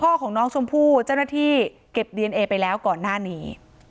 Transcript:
ของน้องชมพู่เจ้าหน้าที่เก็บดีเอนเอไปแล้วก่อนหน้านี้